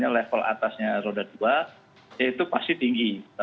level atasnya roda dua ya itu pasti tinggi